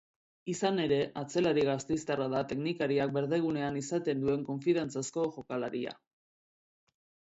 Izan ere, atzelari gasteiztarra da teknikariak berdegunean izaten duen konfiantzazko jokalaria.